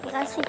terima kasih pa